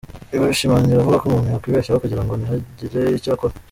Ibi abishimangira avuga ko umuntu yakwibeshya aho kugira ngo ntihagire icyo akora.